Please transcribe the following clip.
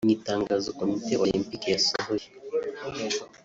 Mu itangazo Komite Olempiki yasohoye